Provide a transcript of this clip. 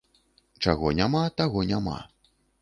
Чаго няма, таго няма.